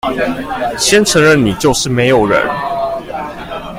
先承認你就是沒有人